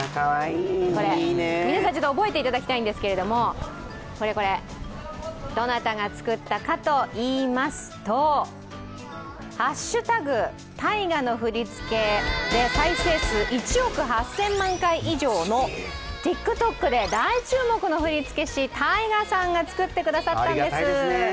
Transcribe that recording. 皆さん覚えていただきたいんですけれどもどなたが作ったかといいますと、＃タイガの振り付けで再生数１億８０００万回以上のＴｉｋＴｏｋで大人気のタイガさんが作ってくださったんです。